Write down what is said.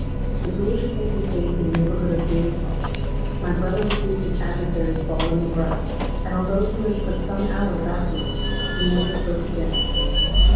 The duel had taken place in the neighbourhood of Bayswater: my brother received his adversary's ball in the breast; and although he lived for some hours afterwards, he never spoke again.